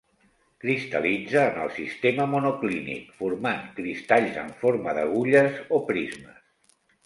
Cristal·litza en el sistema monoclínic formant cristalls amb forma d'agulles o prismes.